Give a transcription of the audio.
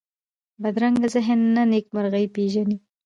بدرنګه ذهن نه نېکمرغي پېژني